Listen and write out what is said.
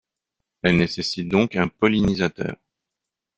Elle nécessite donc un pollinisateur.